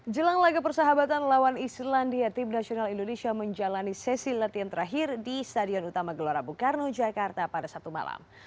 jelang laga persahabatan lawan islandia tim nasional indonesia menjalani sesi latihan terakhir di stadion utama gelora bung karno jakarta pada satu malam